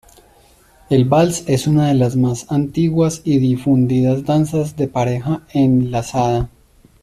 El vals es una de las más antiguas y difundidas danzas de pareja enlazada.